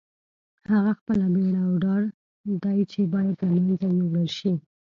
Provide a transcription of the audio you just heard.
هغه خپله بېره او ډار دی چې باید له منځه یوړل شي.